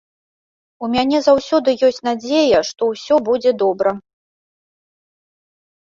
У мяне заўсёды ёсць надзея, што ўсё будзе добра.